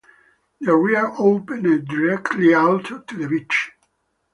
The rear opened directly out to the beach.